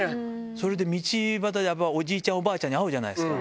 それで道端で、、やっぱおじいちゃん、おばあちゃんに会うじゃないですか。